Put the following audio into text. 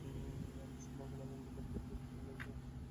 মুসলমানগণ এমনভাবে যুদ্ধ শুরু করলেন, যা রোমানদেরকে হতবাক করে দিল।